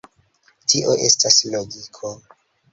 Tio estas logiko.